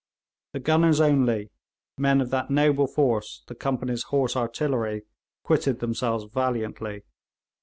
The gunners only, men of that noble force the Company's Horse Artillery, quitted themselves valiantly.